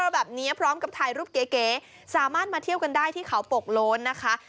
แบบนี้พร้อมกับถ่ายรูปเก๋สามารถมาเที่ยวกันได้ที่เขาปกโล้นนะคะ